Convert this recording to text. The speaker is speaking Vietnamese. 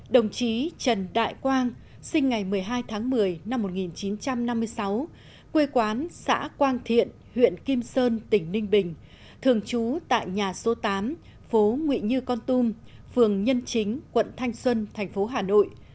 đồng chí trần đại quang sinh ngày một mươi hai tháng một mươi năm một nghìn chín trăm năm mươi sáu quê quán xã quang thiện huyện kim sơn tỉnh ninh bình thường trú tại nhà số tám phố nguy như con tum phường nhân chính quận thanh xuân thành phố hà nội